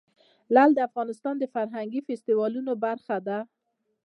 لعل د افغانستان د فرهنګي فستیوالونو برخه ده.